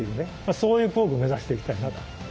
そういう工具を目指していきたいな。